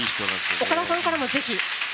岡田さんからもぜひ。